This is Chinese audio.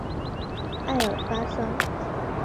爱尔巴桑。